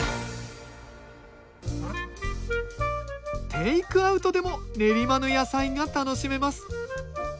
テイクアウトでも練馬の野菜が楽しめます。